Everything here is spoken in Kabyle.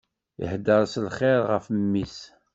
Ihedder s lxir ɣef mmi-s.